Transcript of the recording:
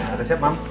sudah siap mam